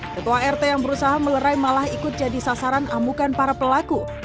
ketua rt yang berusaha melerai malah ikut jadi sasaran amukan para pelaku